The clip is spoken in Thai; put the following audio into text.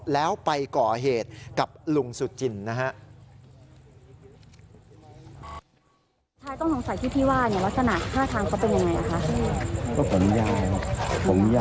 แล้วไปก่อเหตุกับลุงสุจินนะฮะ